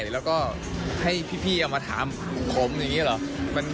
ก็ได้แล้วก็ให้พี่มาถามของผมอย่างนี้เหรอ